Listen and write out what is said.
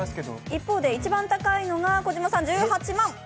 一方で一番高いのが児嶋さんの１８万円。